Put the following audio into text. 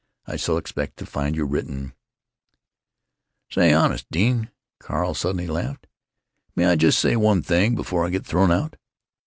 I shall expect to find your written——" "Say, honest, dean," Carl suddenly laughed, "may I say just one thing before I get thrown out?"